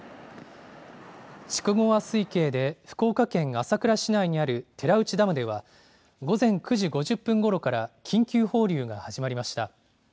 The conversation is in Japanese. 筑後川水系で福岡県朝倉市内にある寺内ダムでは、午前９時５０分ごろから緊急放流が始まりました。